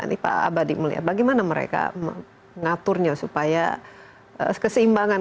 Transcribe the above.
ini pak abadi melihat bagaimana mereka mengaturnya supaya keseimbangan